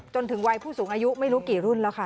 จนถึงวัยผู้สูงอายุไม่รู้กี่รุ่นแล้วค่ะ